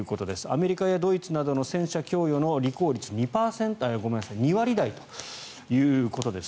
アメリカやドイツなどの戦車供与の履行率２割台ということです。